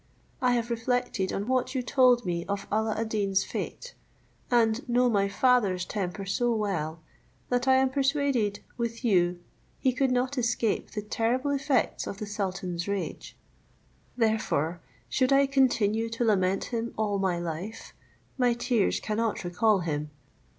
I have reflected on what you told me of Alla ad Deen's fate, and know my father's temper so well, that I am persuaded with you he could not escape the terrible effects of the sultan's rage; therefore, should I continue to lament him all my life, my tears cannot recall him.